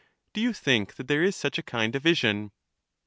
Do you think that there is such a kind of vision?